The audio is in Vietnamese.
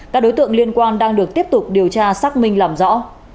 các đối tượng liên quan đang được tiếp tục điều tra xác minh làm rõ